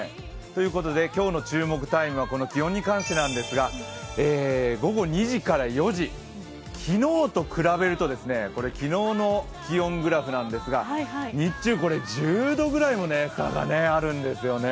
ということで、今日の注目タイムは気温に関してなんですが、午後２時から４時、昨日と比べると、昨日の気温グラフなんですが日中１０度ぐらい差があるんですよね。